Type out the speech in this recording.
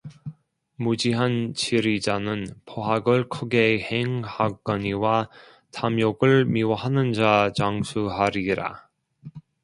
무지한 치리자는 포학을 크게 행하거니와 탐욕을 미워하는 자는 장수하리라